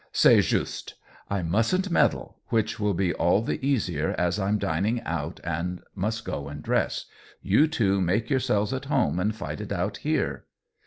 ^^C est Juste/ I musfnt meddle — which will be all the easier as I'm dining out and must go and dress. You two make your selves at home and fight it out here."